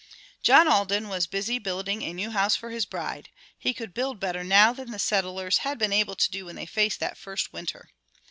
John Alden was busy building a new house for his bride. He could build better now than the settlers had been able to do when they faced that first winter.